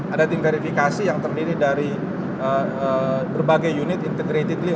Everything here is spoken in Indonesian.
ada tim verifikasi yang terdiri dari berbagai unit integratedly